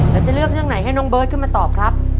แล้วจะเลือกเรื่องไหนให้น้องเบิร์ตขึ้นมาตอบครับ